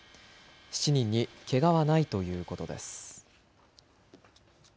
７人にけがはないということです。